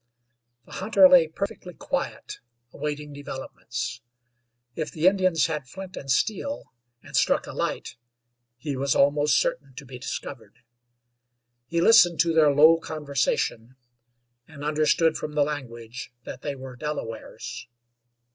The hunter lay perfectly quiet, awaiting developments. If the Indians had flint and steel, and struck a light, he was almost certain to be discovered. He listened to their low conversation, and understood from the language that they were Delawares.